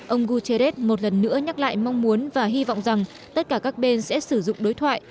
ông guterres một lần nữa nhắc lại mong muốn và hy vọng rằng tất cả các bên sẽ sử dụng đối thoại